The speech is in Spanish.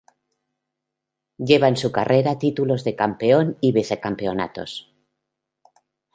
Lleva en su carrera Títulos de Campeón, y Vice-Campeonatos.